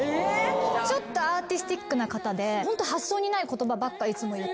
ちょっとアーティスティックな方でホント発想にない言葉ばっかいつも言って。